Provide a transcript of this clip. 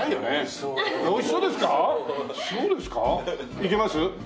いけます？